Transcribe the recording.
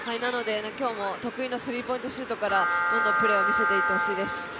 今日も得意のスリーポイントシュートからどんどんプレーを見せていってほしいです。